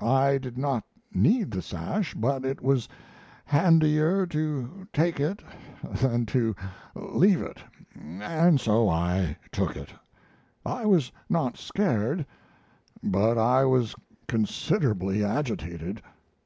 I did not need the sash, but it was handier to take it than to, leave it, and so I took it. I was not scared, but I was considerably agitated."